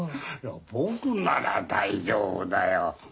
僕なら大丈夫だよ。